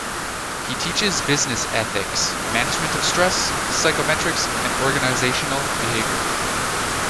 He teaches Business Ethics, Management of stress, Psychometrics and Organisational behaviour.